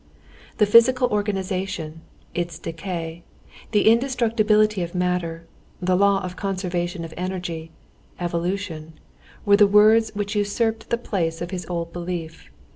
The physical organization, its decay, the indestructibility of matter, the law of the conservation of energy, evolution, were the words which usurped the place of his old belief.